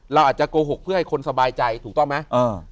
เราอาจจะโกหกเพื่อให้คนสบายใจถูกต้องไหม